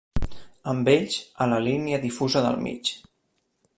Amb ells a la línia difusa del mig.